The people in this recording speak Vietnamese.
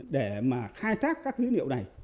để mà khai thác các dữ liệu này